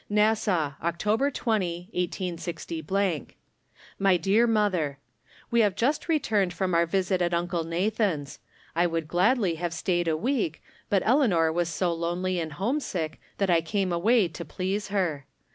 Nassau, Oct. 20, 186 . My Bear Mother : We have just returned from our visit at Uncle Nathan's. I would gladly have staid a week, but Eleanor was so lonely and homesick that I came away to please her.